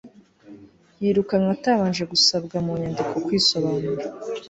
yirukanwe atabanje gusabwa mu nyandiko kwisobanura